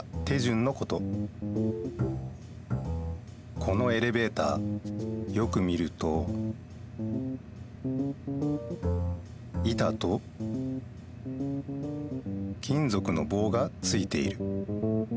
このエレベーターよく見ると板と金ぞくの棒がついている。